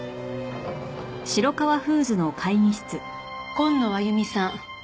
紺野亜由美さん。